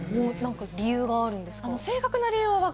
理由があるんですか？